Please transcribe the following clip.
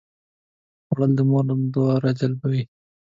خوړل د مور دعاوې راجلبوي